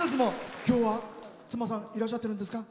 今日は妻さんいらっしゃってるんですか？